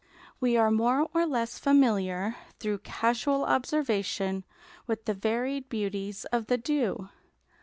We are more or less familiar, through casual observation, with the varied beauties of the dew.